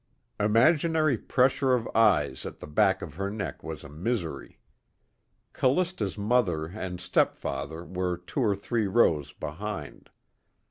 Imaginary pressure of eyes at the back of her neck was a misery. Callista's mother and stepfather were two or three rows behind.